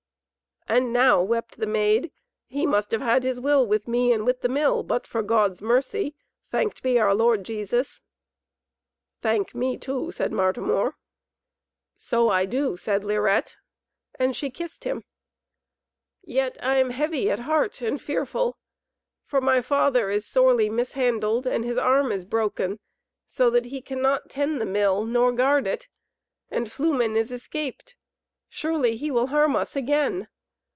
"And now," wept the Maid, "he must have had his will with me and with the Mill, but for God's mercy, thanked be our Lord Jesus!" "Thank me too," said Mlartimor. "So I do," said Lirette, and she kissed him. "Yet am I heavy at heart and fearful, for my father is sorely mishandled and his arm is broken, so that he cannot tend the Mill nor guard it. And Flumen is escaped; surely he will harm us again.